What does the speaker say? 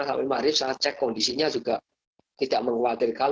sampai hari ini saya cek kondisinya juga tidak mengkhawatirkan